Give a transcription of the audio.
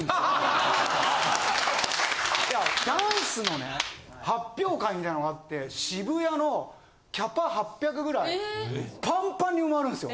ダンスのね発表会みたいなのがあって渋谷のキャパ８００ぐらいパンパンに埋まるんすよ！